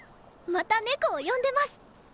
また猫を呼んでます。